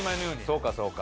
そうかそうか。